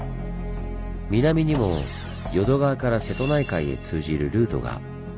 南にも淀川から瀬戸内海へ通じるルートが。